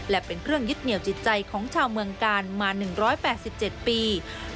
และเป็นเครื่องยึดเหนียวจิตใจของชาวเมืองกาลมา๑๘๗ปี